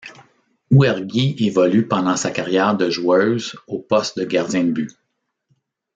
Ouerghi évolue pendant sa carrière de joueuse au poste de gardien de but.